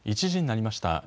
１時になりました。